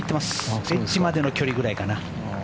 エッジまでの距離ぐらいかな。